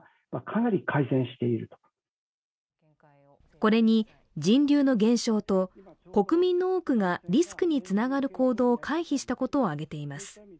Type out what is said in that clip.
これに人流の減少と国民の多くがリスクにつながる行動を回避したことを挙げています。